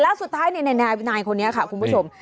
แล้วสุดท้ายนายวินัยคนนี้ค่ะคุณผู้ชม